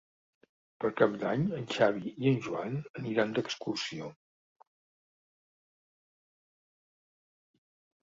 Per Cap d'Any en Xavi i en Joan aniran d'excursió.